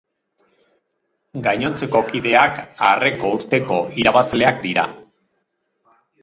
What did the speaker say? Gainontzeko kideak arreko urteko irabazleak dira.